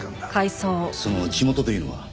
その地元というのは？